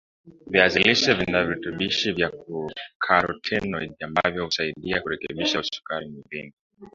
viazi lishe vinavirutubishi vya karotenoids ambazo husaidia kurekebisha sukari mwilini